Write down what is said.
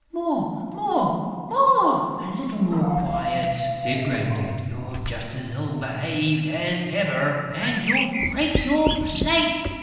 More!" "Come, come, a little more quiet," said Grandad. "You're just as ill behaved as ever; and you'll break your plate...."